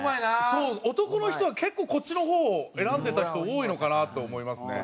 そう男の人は結構こっちの方を選んでた人多いのかなと思いますね。